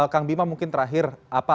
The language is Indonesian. kang bima mungkin terakhir